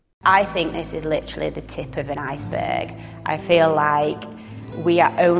saya pikir ini adalah titik sebuah gelombang